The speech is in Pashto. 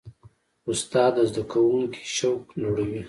استاد د زده کوونکي شوق لوړوي.